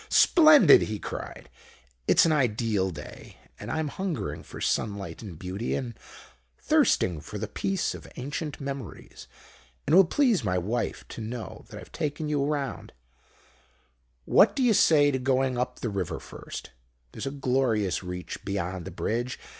"'Splendid!' he cried. 'It's an ideal day, and I'm hungering for sunlight and beauty, and thirsting for the peace of ancient memories. And it will please my wife to know that I've taken you round. What do you say to going up the river first? There's a glorious reach beyond the bridge.